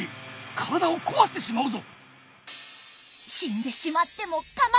体を壊してしまうぞ！